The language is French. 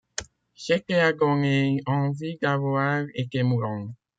C’était à donner envie d’avoir été mourant